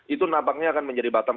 itu nampaknya akan menjadi bottom